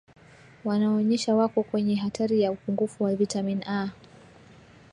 wanaonyonyesha wako kwenye hatari ya upungufu wa vitamini A